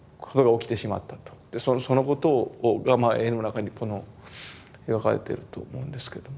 そのことが絵の中に描かれてると思うんですけども。